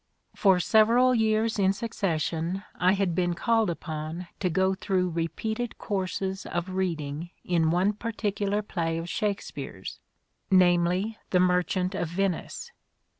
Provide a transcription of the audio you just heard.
For several years in succession I had been called upon to go through repeated courses of reading in one particular play of Shakespeare's, namely " The Merchant of Venice."